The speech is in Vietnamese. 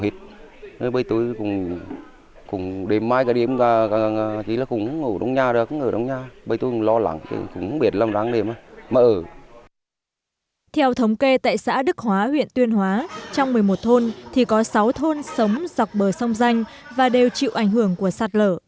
theo thống kê tại xã đức hóa huyện tuyên hóa trong một mươi một thôn thì có sáu thôn sống dọc bờ sông danh và đều chịu ảnh hưởng của sạt lở